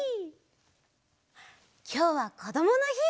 きょうはこどものひ。